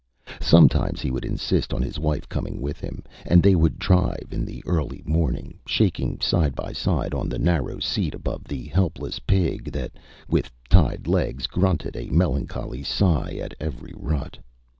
Sometimes he would insist on his wife coming with him; and they would drive in the early morning, shaking side by side on the narrow seat above the helpless pig, that, with tied legs, grunted a melancholy sigh at every rut.